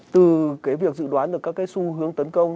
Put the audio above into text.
từ cái việc dự đoán được các cái xu hướng tấn công